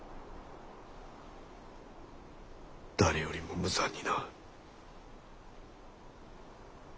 誰よりも無残にな。